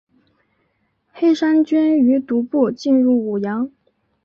黑山军于毒部进攻武阳。